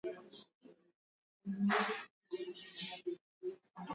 Mambo ile iko apa ni nju ya kurimatu